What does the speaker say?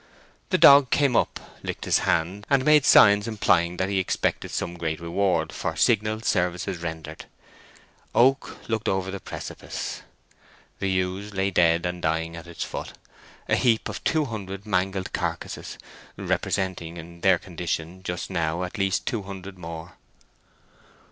The dog came up, licked his hand, and made signs implying that he expected some great reward for signal services rendered. Oak looked over the precipice. The ewes lay dead and dying at its foot—a heap of two hundred mangled carcasses, representing in their condition just now at least two hundred more.